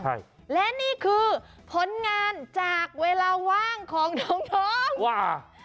ใช่และนี่คือผลงานจากเวลาว่างของน้องว่า